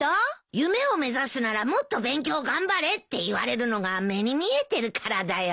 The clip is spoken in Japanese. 夢を目指すならもっと勉強頑張れって言われるのが目に見えてるからだよ。